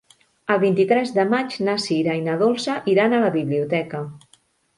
El vint-i-tres de maig na Sira i na Dolça iran a la biblioteca.